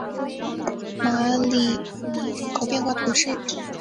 马里尼人口变化图示